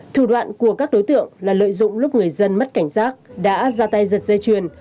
thủ đoạn của các đối tượng là lợi dụng lúc người dân mất cảnh giác đã ra tay giật dây chuyền